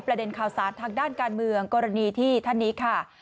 ประเด็นข่าวสารทางด้านการเมืองกรณีที่ท่านนี้ค่ะ